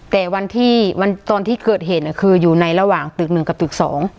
แต่วันที่ตอนที่เกิดเหตุคืออยู่ในระหว่างตึก๑กับตึก๒